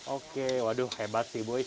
oke waduh hebat sih boy